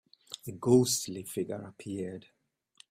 A ghostly figure appeared.